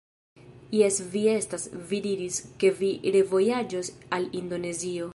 Jes vi estas! Vi diris, ke vi revojaĝos al Indonezio!